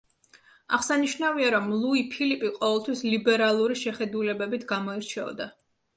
აღსანიშნავია, რომ ლუი ფილიპი ყოველთვის ლიბერალური შეხედულებებით გამოირჩეოდა.